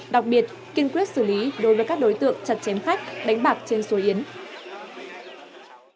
đặc biệt kiên quyết xử lý đối với các đối tượng chặt chém khách đánh bạc trên số yến